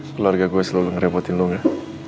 keluarga gue selalu ngerepotin lo gak